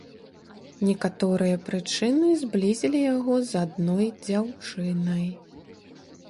Некаторыя прычыны зблізілі яго з адной дзяўчынай.